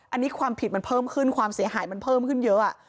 อันนี้ความผิดมันเพิ่มขึ้นความเสียหายมันเพิ่มขึ้นเยอะ